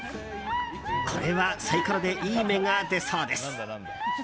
これはサイコロでいい目が出そうです。